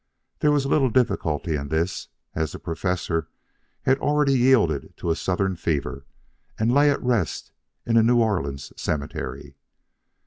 There was little difficulty in this, as the Professor had already yielded to a Southern fever and lay at rest in a New Orleans cemetery.